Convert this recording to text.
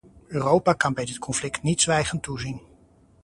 Europa kan bij dit conflict niet zwijgend toezien.